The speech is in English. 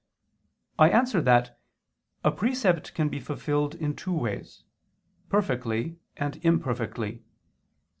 I answer that, A precept can be fulfilled in two ways; perfectly, and imperfectly.